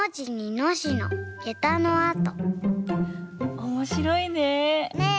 おもしろいねぇ。ね。